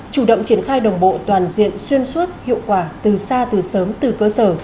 chủ động triển khai đồng bộ toàn diện xuyên suốt hiệu quả từ xa từ sớm từ cơ sở